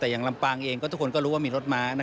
อย่างลำปางทุกคนรู้ว่ามีรถม้า